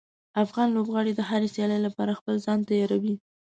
افغان لوبغاړي د هرې سیالۍ لپاره خپل ځان تیاروي.